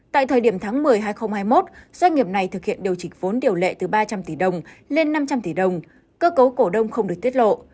tại thời điểm tháng một mươi hai nghìn hai mươi một doanh nghiệp này thực hiện điều chỉnh vốn điều lệ từ ba trăm linh tỷ đồng lên năm trăm linh tỷ đồng cơ cấu cổ đông không được tiết lộ